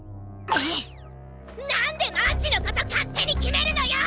なんでマーチのことかってに決めるのよ！